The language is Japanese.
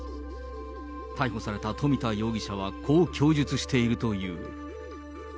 逮捕された富田容疑者はこう供述しているという。